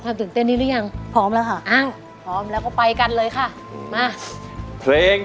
เพลงที่๔มูลค่า๖๐๐๐๐บาทคุณเก๋ร้อง